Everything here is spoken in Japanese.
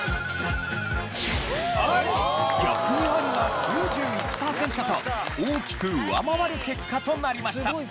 逆にアリが９１パーセントと大きく上回る結果となりました。